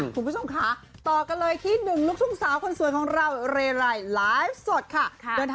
คุณผู้ชมค่ะต่อกันเลยที่หนึ่งลูกทุ่งสาวคนสวยของเราเรไลน์ไลฟ์สดค่ะ